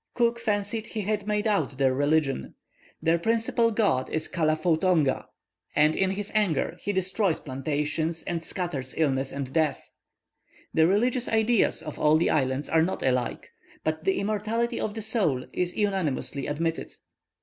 Cook fancied he had made out their religion. Their principal god was Kallafoutonga, and in his anger, he destroys plantations and scatters illness and death. The religious ideas of all the islands are not alike, but the immortality of the soul is unanimously admitted.